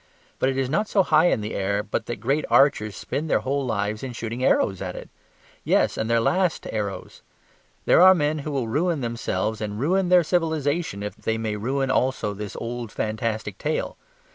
But it is not so high in the air but that great archers spend their whole lives in shooting arrows at it yes, and their last arrows; there are men who will ruin themselves and ruin their civilization if they may ruin also this old fantastic tale.